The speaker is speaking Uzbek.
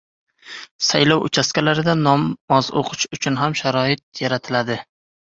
Saylov uchastkalarida namoz o‘qish uchun ham sharoit yaratiladi